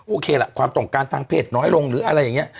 โอเคล่ะความต้องการทางเพศน้อยลงหรืออะไรอย่างนี้